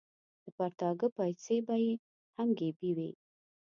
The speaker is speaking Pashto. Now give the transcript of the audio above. د پرتاګه پایڅې به یې هم ګیبي وې.